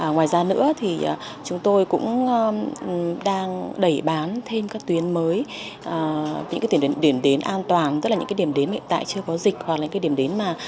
ngoài ra nữa thì chúng tôi cũng đang đẩy bán thêm các tuyến mới những điểm đến an toàn tức là những cái điểm đến hiện tại chưa có dịch hoặc là cái điểm đến mà